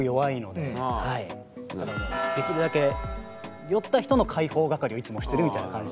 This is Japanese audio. できるだけ酔った人の介抱係をいつもしてるみたいな感じですね。